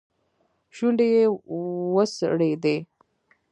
شونډې يې وځړېدې.